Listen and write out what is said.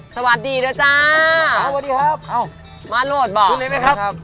สวัสดีด้วยจ้าสวัสดีครับอ้าวมาโรดบ่พูดได้ไหมครับ